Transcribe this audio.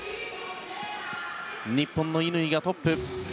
日本の乾がトップ。